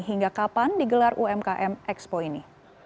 hingga kapan digelar umkm expo ini